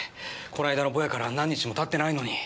この間のぼやから何日も経ってないのに。